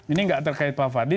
ini nggak terkait pak fadli